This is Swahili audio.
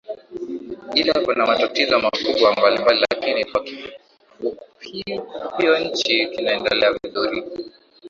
Ila kuna matatizo makubwa mbalimbal lakini kwa kifupui nchi inaendelea vizuri